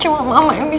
sampai jumpa lagi